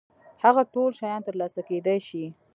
هغه ټول شيان تر لاسه کېدای شي.